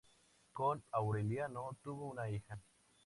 Con Aureliano tuvo una hija.